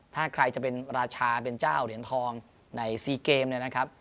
ถ้าใครจะเป็นราชาเป็นเจ้าเหรียญทองใน๔เกมเนี่ยนะครับ